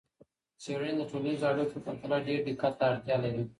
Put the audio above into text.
څیړنې د ټولنیزو اړیکو په پرتله ډیر دقت ته اړتیا لري.